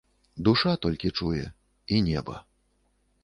Душа толькі чуе і неба.